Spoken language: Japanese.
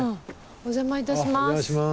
お邪魔いたします。